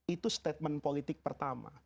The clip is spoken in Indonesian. itu statement politik pertama